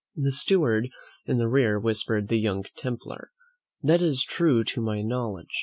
The steward in the rear whispered the young templar, "That is true to my knowledge."